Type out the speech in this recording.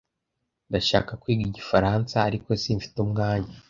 Ndashaka kwiga Igifaransa, ariko simfite umwanya.